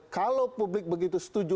kalau publik begitu setuju